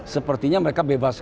sepertinya mereka bebas